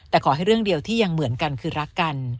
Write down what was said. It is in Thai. แต่ขอให้เรื่องเดียวที่ยังเหมือนกันคือรักกัน